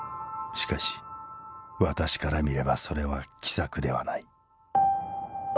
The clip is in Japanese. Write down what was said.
「しかし私から見ればそれは奇策ではない。